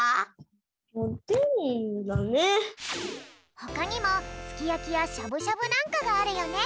ほかにもすきやきやしゃぶしゃぶなんかがあるよね。